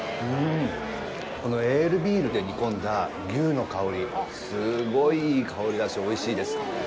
このエールビールで煮込んだ牛の香り、すごいいい香りがして、おいしいです。